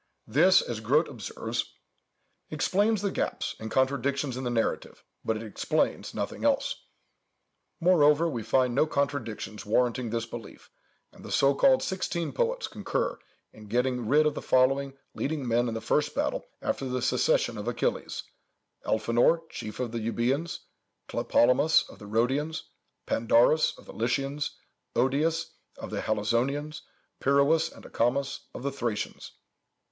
This, as Grote observes, "explains the gaps and contradictions in the narrative, but it explains nothing else." Moreover, we find no contradictions warranting this belief, and the so called sixteen poets concur in getting rid of the following leading men in the first battle after the secession of Achilles: Elphenor, chief of the Eubœans; Tlepolemus, of the Rhodians; Pandarus, of the Lycians; Odius, of the Halizonians; Pirous and Acamas, of the Thracians.